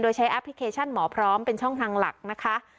โดยใช้แอปพลิเคชันหมอพร้อมเป็นช่องทางหลักนะคะ